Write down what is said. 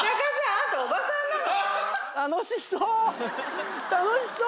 あんたおばさんなの？